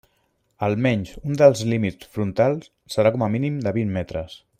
Almenys un dels límits frontals serà com a mínim de vint metres.